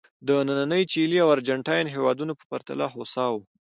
د نننۍ چیلي او ارجنټاین هېوادونو په پرتله هوسا وو.